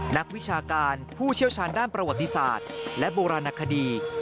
นักวิชาการผู้เชี่ยวชาญด้านประวัติศาสตร์และโบราณคดี